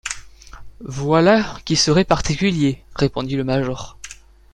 Voilà qui serait particulier! répondit le major.